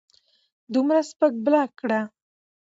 دومره سپک بلاک کړۀ